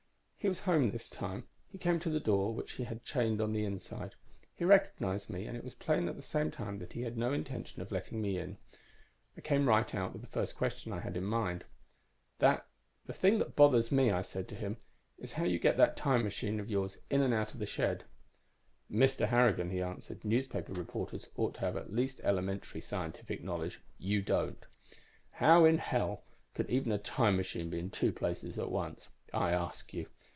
"He was home this time. He came to the door, which he had chained on the inside. He recognized me, and it was plain at the same time that he had no intention of letting me in. "I came right out with the first question I had in mind. 'The thing that bothers me,' I said to him, 'is how you get that time machine of yours in and out of that shed.' "'Mr. Harrigan,' he answered, 'newspaper reporters ought to have at least elementary scientific knowledge. You don't. How in hell could even a time machine be in two places at once, I ask you?